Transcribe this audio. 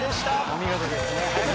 お見事ですね。